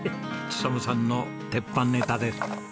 勉さんの鉄板ネタです。